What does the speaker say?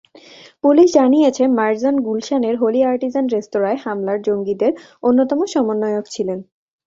Police জানিয়েছে, মারজান গুলশানের Holey Artisan রেস্তোরাঁয় হামলায় জঙ্গিদের অন্যতম সমন্বয়ক ছিলেন।